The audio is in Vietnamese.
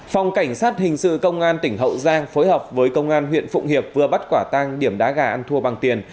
phòng cảnh sát hình sự công an tỉnh hậu giang phối hợp với công an huyện phụng hiệp vừa bắt quả tang điểm đá gà ăn thua bằng tiền